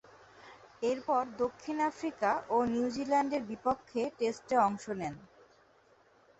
এরপর দক্ষিণ আফ্রিকা ও নিউজিল্যান্ডের বিপক্ষে টেস্টে অংশ নেন।